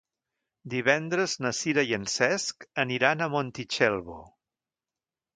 Divendres na Sira i en Cesc aniran a Montitxelvo.